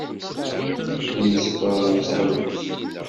Win i iṣebbṛen yettɣellit.